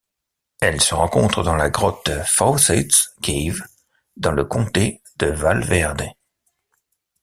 Elle se rencontre dans la grotte Fawcett’s Cave dans le comté de Val Verde.